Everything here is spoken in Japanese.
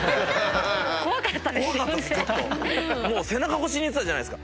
背中越しに言ってたじゃないですか。